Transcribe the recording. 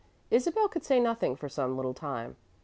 Isabel could say nothing for some little time.